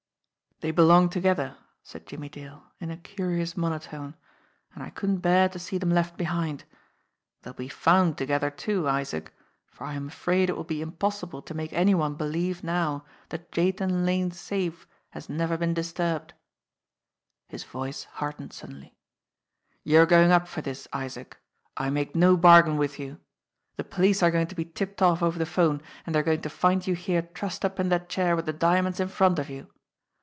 "They belong together," said Jimmie Dale, in a curious monotone, "and I couldn't bear to see them left behind. They'll be found together too, Isaac, for I am afraid it will be impossible to make any one believe now that Jathan Lane's safe has never been disturbed." His voice hardened ONE ISAAC SHIFTEL 39 suddenly. "You're going up for this, Isaac. I make no bargain with you. The police are going to be tipped off over the phone, and they are going to find you here trussed up in that chair with the diamonds in front of you.